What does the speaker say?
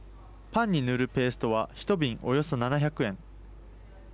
パンに塗るペーストは１瓶およそ７００円。